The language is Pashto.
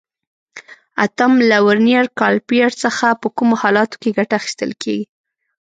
اتم: له ورنیر کالیپر څخه په کومو حالاتو کې ګټه اخیستل کېږي؟